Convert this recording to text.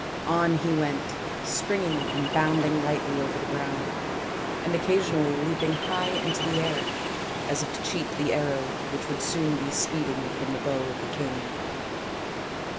On he went, springing and bounding lightly over the ground, and occasionally leaping high into the air as if to cheat the arrow which would soon be speeding from the bow of the king.